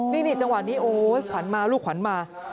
นี่จังหวะนี้โอ๊ยขวัญมาลูกขวัญมา